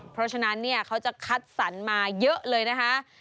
เพราะฉะนั้นเนี่ยเขาจะคัดสรรมาเยอะเลยนะคะ